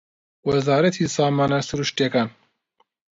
وەزارەتی سامانە سروشتییەکان